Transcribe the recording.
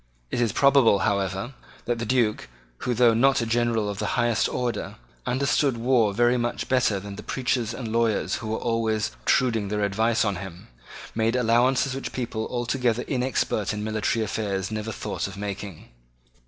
It is probable, however, that the Duke, who, though not a general of the highest order, understood war very much better than the preachers and lawyers who were always obtruding their advice on him, made allowances which people altogether inexpert in military affairs never thought of making.